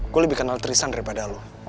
gue lebih kenal trissan daripada lo